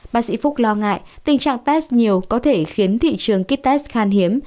bác sĩ phúc lo ngại tình trạng test nhiều có thể khiến thị trường kít test khan hiếm